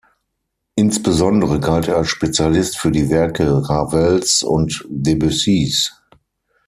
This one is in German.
Insbesondere galt er als Spezialist für die Werke Ravels und Debussys.